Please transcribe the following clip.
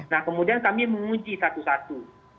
nah kemudian kami menguji satu satu